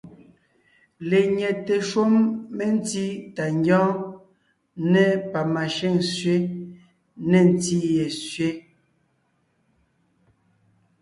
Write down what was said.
Lenyɛte shúm mentí tà ngyɔ́ɔn, nê pamashʉ́ŋ sẅé, nê ntí ye sẅé,